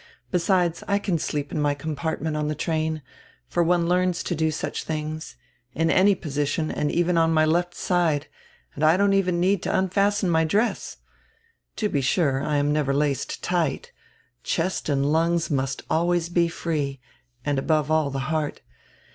Besides, I can sleep in my compartment on the train — for one learns to do such tilings — in any position and even on my left side, and I don't even need to unfasten my dress. To be sure, I am never laced tight; chest and lungs must always be free, and, above all, the heart.